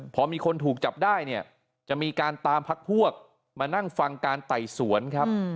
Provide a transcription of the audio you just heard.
พอมีคนถูกจับได้เนี่ยจะมีการตามพักพวกมานั่งฟังการไต่สวนครับ